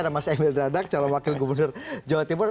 saya ingin menjelaskan saya ingin menjelaskan